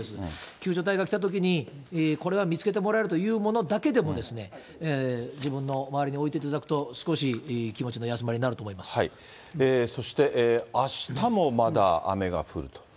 救助隊が来たときに、これは見つけてもらえるというものだけでもですね、自分の周りに置いておいていただくと、少し気持ちの休まりになるそしてあしたもまだ雨が降る